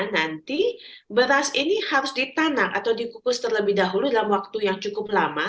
nanti beras ini harus ditanam atau dikukus terlebih dahulu dalam waktu yang cukup lama